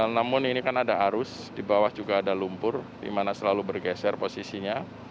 namun ini kan ada arus di bawah juga ada lumpur di mana selalu bergeser posisinya